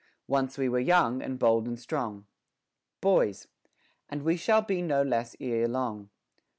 Once we were young, and bold and strong. Boys. And we shall be no less ere long.